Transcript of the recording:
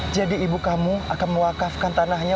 jadi ibu kamu akan mewakafkan tanahnya